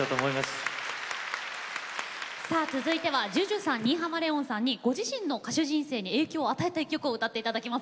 続いてはＪＵＪＵさん、新浜レオンさんにご自身の歌手人生に影響を与えた１曲を歌っていただきます。